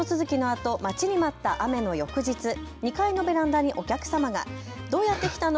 猛暑続きのあと待ちに待った雨の翌日、２階のベランダにお客様がどうやって来たの？